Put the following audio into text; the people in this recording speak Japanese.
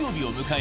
え！